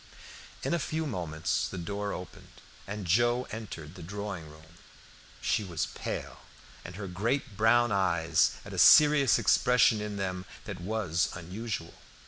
In a few moments the door opened, and Joe entered the drawing room. She was pale, and her great brown eyes had a serious expression in them that was unusual.